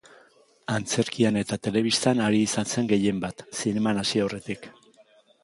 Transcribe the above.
Antzerkian eta telebistan ari izan zen gehienbat, zineman hasi aurretik.